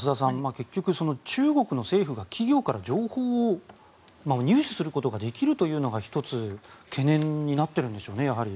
結局、中国の政府が企業から情報を入手することができるというのが１つ懸念になっているんでしょうね。